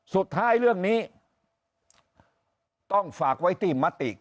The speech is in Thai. สุดท้ายเรื่องนี้